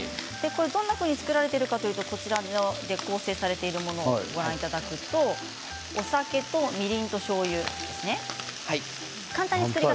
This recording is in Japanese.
どんなふうに作られているかというと構成されているものをご覧いただくとお酒とみりんとしょうゆですね。